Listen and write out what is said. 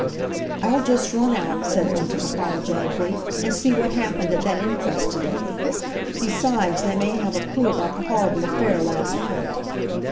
"I'll just run out," said Bunting apologetically, "and see what happened at that inquest to day. Besides, they may have a clue about the horrible affair last night.